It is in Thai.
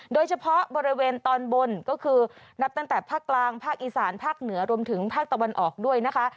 โดยเฉพาะบริเวณตอนบนก็คือนับตั้งแต่ภาคกลางภาคอีสานภาคเหนือรวมถึงภาคตะวันออกด้วยนะคะ